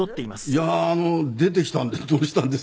いやあ出てきたんでどうしたんです？